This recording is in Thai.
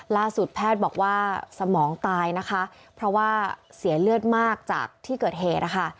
แพทย์บอกว่าสมองตายนะคะเพราะว่าเสียเลือดมากจากที่เกิดเหตุนะคะ